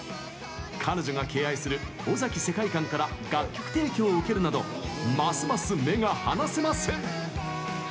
彼女が敬愛する尾崎世界観から楽曲提供を受けるなどますます目が離せません！